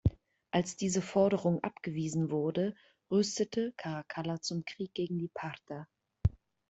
Als diese Forderung abgewiesen wurde, rüstete Caracalla zum Krieg gegen die Parther.